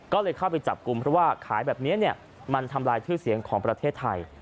ก็เลยเข้าไปจับกลุ่มเพราะว่าขายแบบนี้มันทำลายชื่อเสียงของประเทศไทย